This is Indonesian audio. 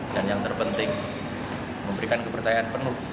dan yang terpenting memberikan kepercayaan penuh